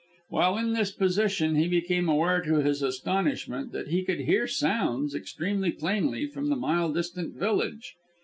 While in this position he became aware to his astonishment that he could hear sounds extremely plainly from the mile distant village.